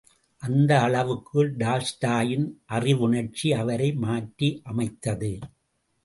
அந்த அளவுக்கு டால்ஸ்டாயின் அறவுணர்ச்சி அவரை மாற்றி அமைத்தது.